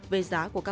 về giá của các bạn